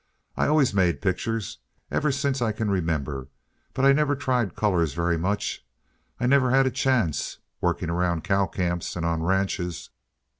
I always made pictures, ever since I can remember but I never tried colors very much. I never had a chance, working around cow camps and on ranches."